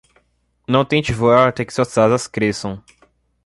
Não tente voar até que suas asas cresçam!